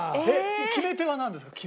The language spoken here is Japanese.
決め手はなんですか？